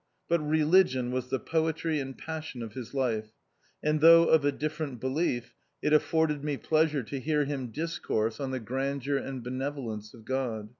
But religion was the poetry and passion of his life ; and though of a different belief, it afforded me pleasure to hear him discourse on the grandeur and benevolence of God.